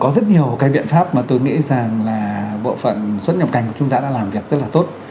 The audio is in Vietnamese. có rất nhiều cái biện pháp mà tôi nghĩ rằng là bộ phận xuất nhập cảnh của chúng ta đã làm việc rất là tốt